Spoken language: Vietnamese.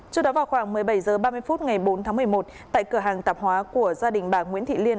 trước đó vào khoảng một mươi bảy h ba mươi phút ngày bốn tháng một mươi một tại cửa hàng tạp hóa của gia đình bà nguyễn thị liên